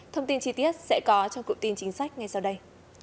thông tin chi tiết sẽ có trong cụ tin chính sách ngay sau đây